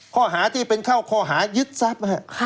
ข้อหาที่เป็นเข้าข้อหายึดทรัพย์